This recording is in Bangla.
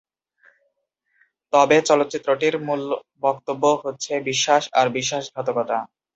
তবে চলচ্চিত্রটির মূল বক্তব্য হচ্ছে বিশ্বাস আর বিশ্বাসঘাতকতা।